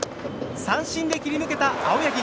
三振で切り抜けた青柳。